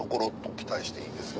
期待していいんですか？